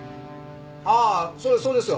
ああそれそうですよ。